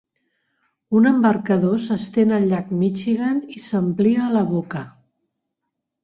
Un embarcador s'estén al llac Michigan i s'amplia a la boca.